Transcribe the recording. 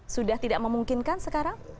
sudah tidak memungkinkan sekarang